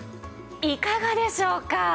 いかがでしょうか？